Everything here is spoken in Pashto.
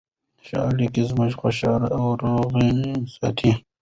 ښه اړیکې موږ خوشحاله او روغ ساتي.